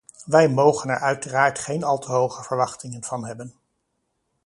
Wij mogen er uiteraard geen al te hoge verwachtingen van hebben.